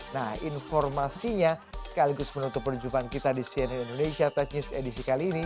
nah informasinya sekaligus menutup perjumpaan kita di cnn indonesia tech news edisi kali ini